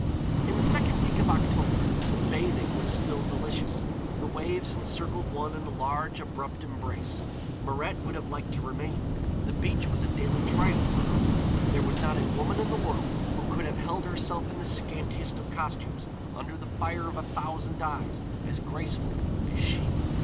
In the second week of October the bathing was still delicious. The waves encircled one in a large, abrupt embrace. Mirette would have liked to remain, the beach was a daily triumph for her. There was not a woman in the world who could have held herself in the scantiest of costumes, under the fire of a thousand eyes, as gracefully as she.